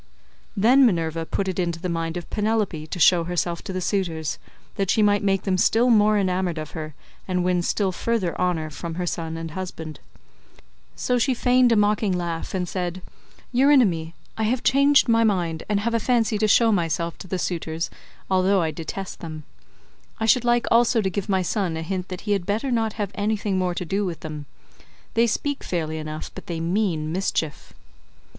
Then Minerva put it into the mind of Penelope to show herself to the suitors, that she might make them still more enamoured of her, and win still further honour from her son and husband. So she feigned a mocking laugh and said, "Eurynome, I have changed my mind, and have a fancy to show myself to the suitors although I detest them. I should like also to give my son a hint that he had better not have anything more to do with them. They speak fairly enough but they mean mischief."